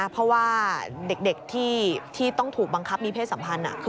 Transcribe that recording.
เพราะว่าเด็กที่ต้องถูกบังคับมีเพศสัมพันธ์